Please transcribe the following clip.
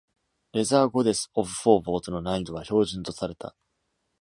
「Leather Goddesses of Phobos」の難易度は「標準」とされた。